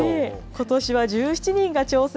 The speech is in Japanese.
ことしは１７人が挑戦。